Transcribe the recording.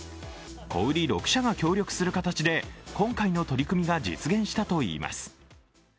小売り６社が協力する形で今回の取り組みが実現したといいます。